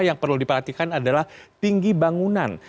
yang perlu diperhatikan adalah tinggi bangunan